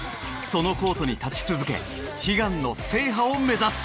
そのコートに立ち続け悲願の制覇を目指す！